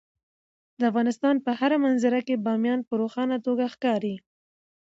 د افغانستان په هره منظره کې بامیان په روښانه توګه ښکاري.